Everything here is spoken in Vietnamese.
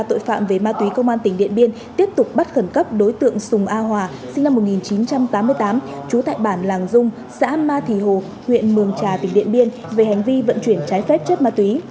tội phạm về ma túy công an tỉnh điện biên tiếp tục bắt khẩn cấp đối tượng sùng a hòa sinh năm một nghìn chín trăm tám mươi tám trú tại bản làng dung xã ma thì hồ huyện mường trà tỉnh điện biên về hành vi vận chuyển trái phép chất ma túy